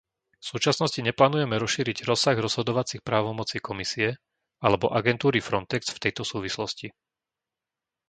V súčasnosti neplánujeme rozšíriť rozsah rozhodovacích právomocí Komisie alebo agentúry Frontex v tejto súvislosti.